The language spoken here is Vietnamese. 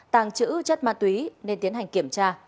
tàng trữ chất ma túy nên tiến hành kiểm tra